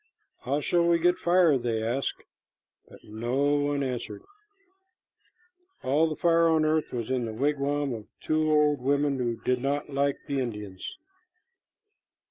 "How shall we get fire?" they asked, but no one answered. All the fire on earth was in the wigwam of two old women who did not like the Indians.